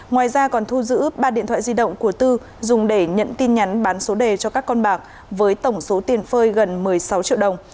ngoài ra còn thu giữ ba điện thoại di động của tư dùng để nhận tin nhắn bán số đề cho các con bạc với tổng số tiền phơi gần một mươi sáu triệu đồng